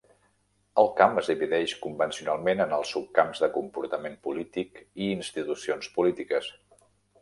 El camp es divideix convencionalment en els subcamps de comportament polític i institucions polítiques.